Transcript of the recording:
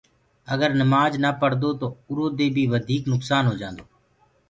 اگر نمآج نآ پڙدو تو اُرو دي وڌيٚڪ نُڪسآن هو جآندو